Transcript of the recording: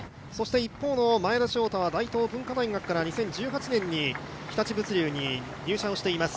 一方の前田将太は大東文化大学から２０１８年に日立物流に入社をしています。